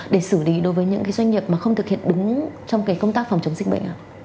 để xử lý đối với những doanh nghiệp mà không thực hiện đúng trong công tác phòng chống dịch bệnh ạ